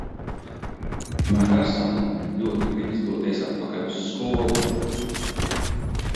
Man personīgi ļoti gribas doties atpakaļ uz skolu.